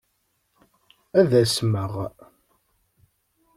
Ad asmeɣ.